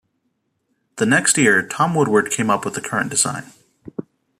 The next year, Tom Woodward came up with the current design.